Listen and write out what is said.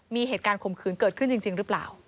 มีเหตุการณ์ข่มขืนเกิดขึ้นจริงหรือเปล่า